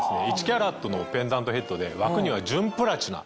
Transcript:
１カラットのペンダントヘッドで枠には純プラチナ。